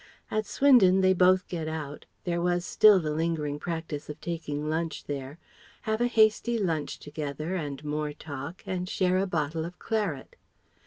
At Swindon they both get out there was still lingering the practice of taking lunch there have a hasty lunch together and more talk, and share a bottle of claret.